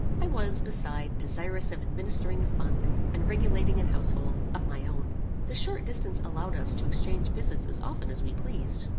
I was, beside, desirous of administering a fund, and regulating an household, of my own. The short distance allowed us to exchange visits as often as we pleased.